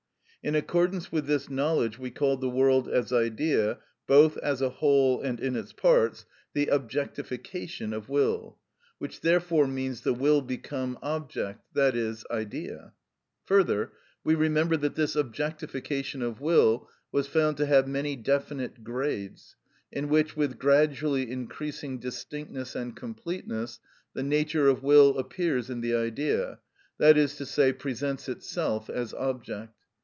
In accordance with this knowledge we called the world as idea, both as a whole and in its parts, the objectification of will, which therefore means the will become object, i.e., idea. Further, we remember that this objectification of will was found to have many definite grades, in which, with gradually increasing distinctness and completeness, the nature of will appears in the idea, that is to say, presents itself as object.